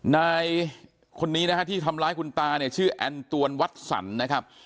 ในคนนี้ที่ทำร้ายคุณตาชื่อแอนตวนวัตสรรนะครับ